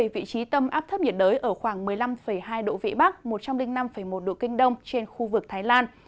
vị trí tâm áp thấp nhiệt đới ở khoảng một mươi năm hai độ vĩ bắc một trăm linh năm một độ kinh đông trên khu vực thái lan